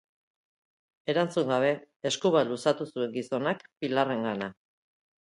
Erantzun gabe, esku bat luzatu zuen gizonak Pilarrengana.